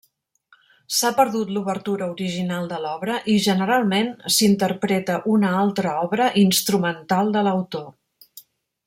S'ha perdut l'obertura original de l'obra i, generalment, s'interpreta una altra obra instrumental de l'autor.